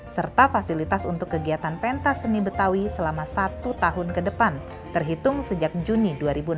serta fasilitas untuk kegiatan pentas seni betawi selama satu tahun ke depan terhitung sejak juni dua ribu enam belas